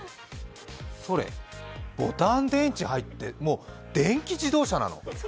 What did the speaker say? それ、ボタン電池入って、もう、電気自動車なの。